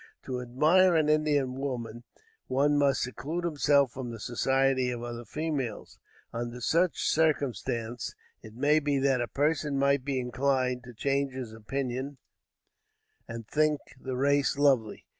To admire an Indian woman one must seclude himself from the society of other females; under such circumstances it may be that a person might be inclined to change his opinion and think the race lovely.